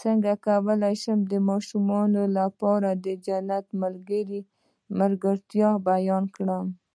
څنګه کولی شم د ماشومانو لپاره د جنت د ملګرو ملګرتیا بیان کړم